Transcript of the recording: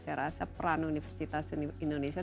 saya rasa peran universitas indonesia dalam pendidikan itu